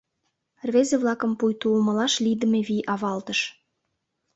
Рвезе-влакым пуйто умылаш лийдыме вий авалтыш.